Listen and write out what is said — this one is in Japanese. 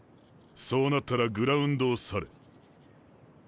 そうなったらグラウンドを去れ。